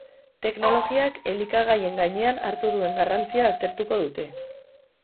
Teknologiak elikagaien gainean hartu duen garrantzia aztertuko dute.